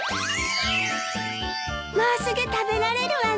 もうすぐ食べられるわね。